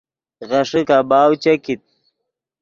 غیݰے کباؤ چے کیت